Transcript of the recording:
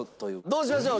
どうしましょう？